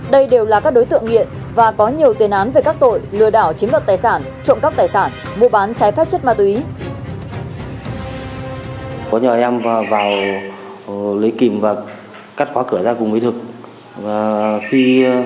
đây đều là các đối tượng nghiện và có nhiều tiền án về các tội lừa đảo chiếm đoạt tài sản trộm cắp tài sản mua bán trái phép chất ma túy